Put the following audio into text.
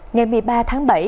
ngày một mươi ba tháng bảy